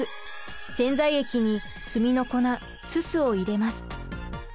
洗剤液に炭の粉「すす」を入れます。